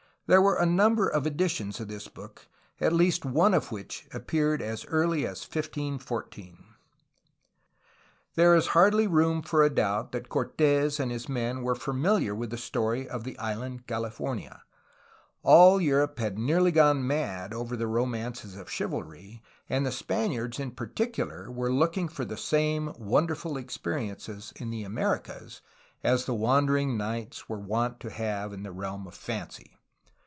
There were a number of editions of this book, at least one of which appeared as early as 1514. 62 A HISTORY OF CALIFORNIA There is hardly room for a doubt that Cortes and his men were familiar with the storj' of the island California. All Europe had nearly gone mad over the romances of chivalry, and the Spaniards in particular were looking for the same wonderful experiences in the Americas as the wandering knights were wont to have in the realm of fancy.